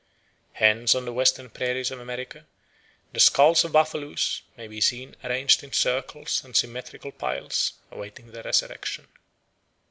Hence on the western prairies of America, the skulls of buffaloes may be seen arranged in circles and symmetrical piles, awaiting the resurrection.